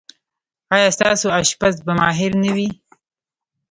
ایا ستاسو اشپز به ماهر نه وي؟